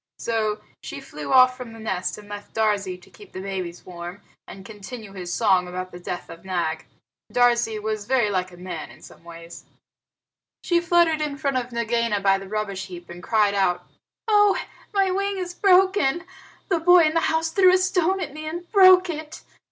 So she flew off from the nest, and left Darzee to keep the babies warm, and continue his song about the death of Nag. Darzee was very like a man in some ways. She fluttered in front of Nagaina by the rubbish heap and cried out, "Oh, my wing is broken! The boy in the house threw a stone at me and broke it."